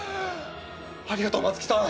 ありがとう松木さん。